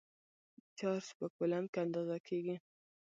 چارج په کولمب کې اندازه کېږي.